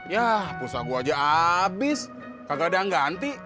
yah pulsa gue aja abis kagak ada yang ganti